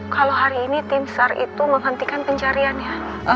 kalau hari ini tim sar itu menghentikan pencariannya